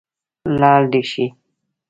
لاړ دې شي.